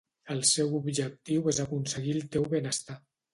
El seu objectiu és aconseguir el teu benestar.